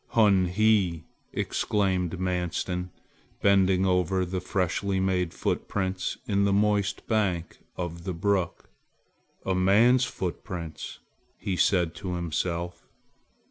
"Hun he!" exclaimed Manstin, bending over the freshly made footprints in the moist bank of the brook. "A man's footprints!" he said to himself.